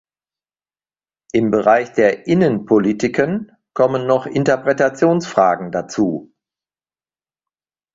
Im Bereich der Innenpolitiken kommen noch Interpretationsfragen dazu.